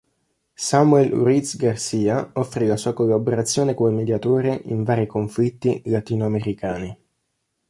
Samuel Ruiz García offrì la sua collaborazione come mediatore in vari conflitti latinoamericani.